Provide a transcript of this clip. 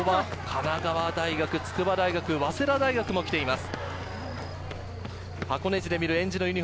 神奈川大学、筑波大学、早稲田大学も来ています。